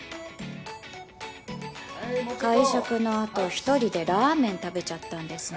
会食のあと１人でラーメン食べちゃったんですね。